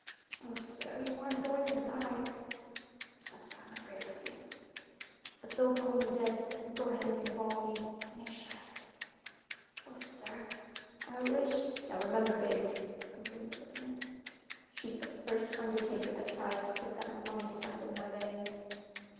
"Oh, sir, you aren't going to die!" "That's what I'm afraid of, Biggs. But they'll call me dead and go ahead and embalm me and make sure of it." "Oh, sir, I wish——" "Now remember, Biggs," broke in the sick man, "shoot the first undertaker that tries to put that mummy stuff in my veins."